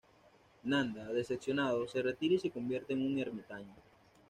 Nanda, decepcionado, se retira y se convierte en un ermitaño.